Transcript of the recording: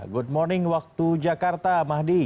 good morning waktu jakarta mahdi